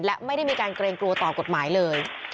และไม่ได้มีการเกรงกลัวต่อกฎหมายเลย